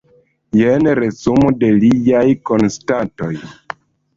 Jen resumo de liaj konstatoj.